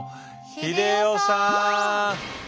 英世さん。